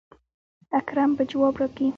اکرم به جواب راکي.